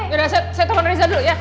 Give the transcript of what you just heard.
ya udah saya telepon rija dulu ya